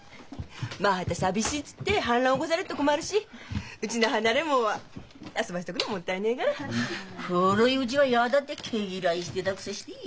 また寂しいっつって反乱起こされっと困るしうちの離れも遊ばしとくのもったいねえがら。古いうちは嫌だって毛嫌いしてたくせして。